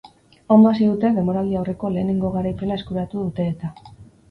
Ondo hasi dute, denboraldi-aurreko lehenengo garaipena eskuratu dute eta.